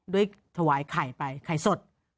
ถวายไข่ไปไข่สด